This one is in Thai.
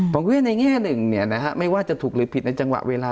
ผมคิดว่าในแง่หนึ่งไม่ว่าจะถูกหรือผิดในจังหวะเวลา